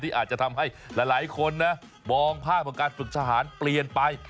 อาจจะทำให้หลายคนนะมองภาพของการฝึกทหารเปลี่ยนไป